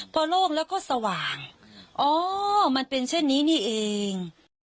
พอโล่งแล้วก็สว่างอ๋อมันเป็นเช่นนี้นี่เอง